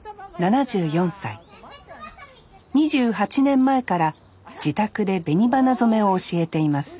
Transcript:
２８年前から自宅で紅花染めを教えています